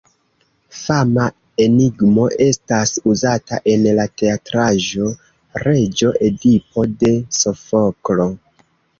Fama enigmo estas uzata en la teatraĵo "Reĝo Edipo" de Sofoklo.